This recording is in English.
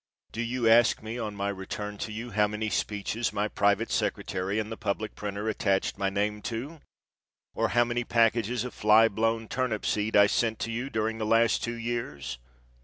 Do you ask me on my return to you how many speeches my private secretary and the public printer attached my name to, or how many packages of fly blown turnip seed I sent to you during the last two years?